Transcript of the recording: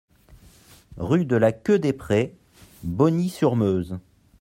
Rue de la Queue des Prés, Bogny-sur-Meuse